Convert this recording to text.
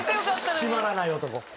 締まらない男。